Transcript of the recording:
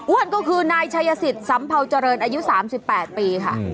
อ้วนก็คือนายฉยศิษย์สัมเภาเจอเรินอายุ๓๘ปีค่ะ